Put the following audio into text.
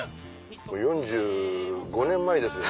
４５年前ですよ